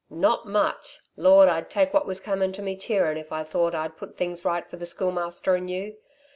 "Not much! Lord, I'd take what was coming to me, cheerin', if I thought I'd put things right for the Schoolmaster and you.